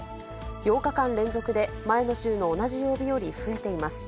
８日間連続で前の週の同じ曜日より増えています。